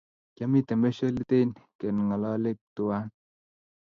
Kiamiten pesho Litein kengalalak tuan